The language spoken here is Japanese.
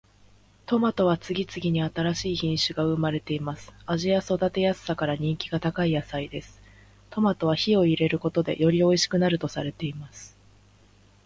トマトは次々に新しい品種が生まれています。味や育てやすさから人気が高い野菜です。トマトは火を入れることでよりおいしくなるとされています。